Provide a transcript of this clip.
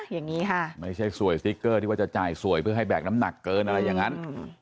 อย่างนี้ค่ะไม่ใช่สวยสติ๊กเกอร์ที่ว่าจะจ่ายสวยเพื่อให้แบกน้ำหนักเกินอะไรอย่างนั้น